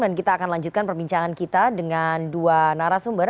dan kita akan lanjutkan perbincangan kita dengan dua narasumber